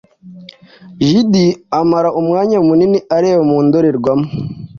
Judy amara umwanya munini areba mu ndorerwamo.